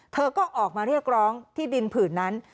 เธอก็ออกมาเรียกร้องที่ดินผื่นนั้น